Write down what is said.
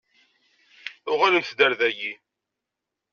Uɣalemt-d ar daki.